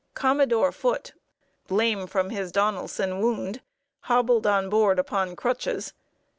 Commodore Foote, lame from his Donelson wound, hobbled on board upon crutches.